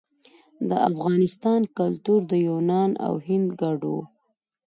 د افغانستان کلتور د یونان او هند ګډ و